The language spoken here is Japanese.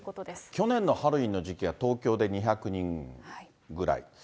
去年のハロウィーンの時期は東京で２００人ぐらい。